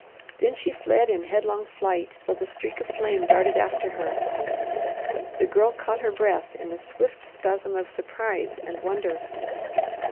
Then she fled in headlong flight, while the streak of flame darted after her. The Girl caught her breath in a swift spasm of surprise and wonder.